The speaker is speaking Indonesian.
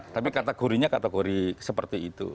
tapi kategorinya seperti itu